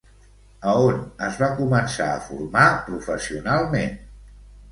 A on es va començar a formar professionalment?